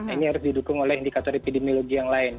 ini harus didukung oleh indikator epidemiologi yang lain